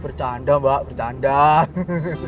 bercanda mbak bercanda hehehe